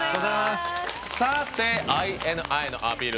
ＩＮＩのアピール